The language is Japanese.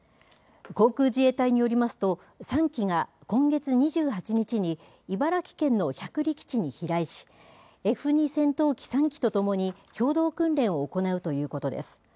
航空自衛隊によりますと、３機が今月２８日に、茨城県の百里基地に飛来し、Ｆ２戦闘機３機と共に、共同訓練を行うということです。